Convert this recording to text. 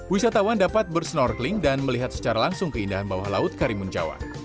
wisatawan dapat bersnorkeling dan melihat secara langsung keindahan bawah laut karimun jawa